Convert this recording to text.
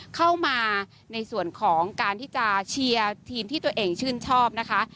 เข้ามาในส่วนของการที่จะเชียร์ทีมที่ตัวเองชื่นชอบนะคะ